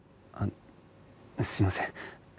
あっすみません。